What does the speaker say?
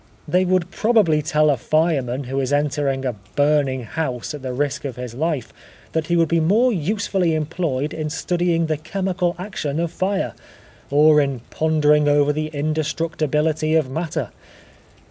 They would probably tell a fireman who is entering a burning house at the risk of his life, that he would be more usefully employed in studying the chemical action of fire, or in pondering over the indestructibility of matter.